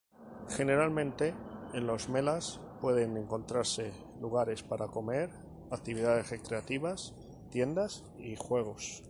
Generalmente, en los "melas" pueden encontrarse lugares para comer, actividades recreativas, tiendas y juegos.